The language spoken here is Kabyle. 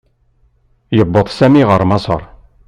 Yewweḍ Sami ɣer Maṣeṛ.